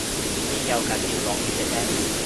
邊有梗要落雨嘅啫？